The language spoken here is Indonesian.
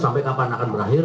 sampai kapan akan berakhir